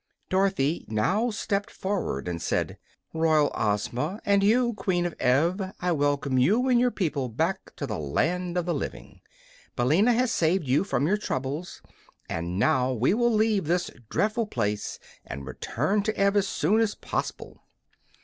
Dorothy now stepped forward and said: "Royal Ozma, and you, Queen of Ev, I welcome you and your people back to the land of the living. Billina has saved you from your troubles, and now we will leave this drea'ful place, and return to Ev as soon as poss'ble."